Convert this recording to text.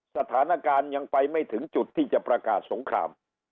สถานการณ์ยังไปไม่ถึงจุดที่จะประกาศสงคราม